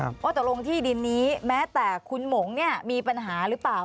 ว่าตกลงที่ดินนี้แม้แต่คุณหมงเนี่ยมีปัญหาหรือเปล่า